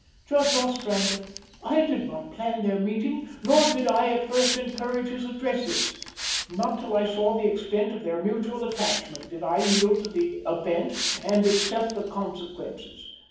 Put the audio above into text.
"Judge Ostrander, I did not plan their meeting, nor did I at first encourage his addresses. Not till I saw the extent of their mutual attachment, did I yield to the event and accept the consequences.